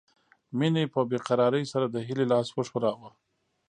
مينې په بې قرارۍ سره د هيلې لاس وښوراوه